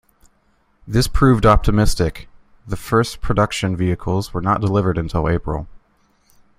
This proved optimistic; the first production vehicles were not delivered until April.